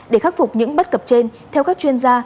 để khắc phục những bất cập trên theo các chuyên gia